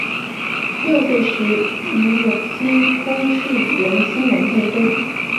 六岁时与有栖川宫炽仁亲王订婚。